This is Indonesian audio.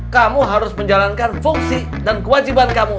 kamu harus menjalankan fungsi dan kewajiban kamu